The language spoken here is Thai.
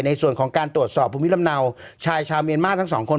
ในส่วนของการตรวจสอบภูมิลำเนาชายชาวเมียนมาร์ทั้งสองคน